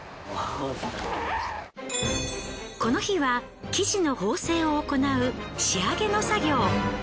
この日は生地の縫製を行う仕上げの作業。